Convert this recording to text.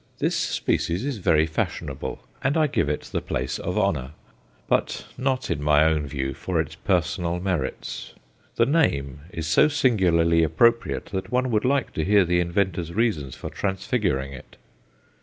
This species is very fashionable, and I give it the place of honour; but not, in my own view, for its personal merits. The name is so singularly appropriate that one would like to hear the inventor's reasons for transfiguring it.